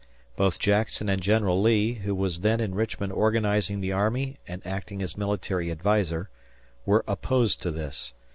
Both Jackson and General Lee, who was then in Richmond organizing the army and acting as military adviser, were opposed to this.